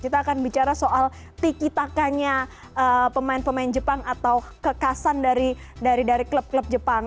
kita akan bicara soal tikitakannya pemain pemain jepang atau kekasan dari klub klub jepang